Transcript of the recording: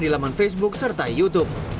di laman facebook serta youtube